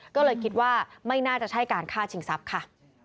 ก็เลยคิดว่าไม่น่าจะใช่การฆ่าชิงทรัพย์ค่ะ